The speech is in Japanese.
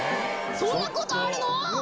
そんなことあるの？